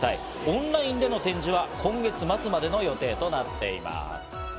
オンラインでの展示は今月末までの予定となっています。